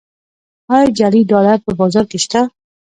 آیا جعلي ډالر په بازار کې شته؟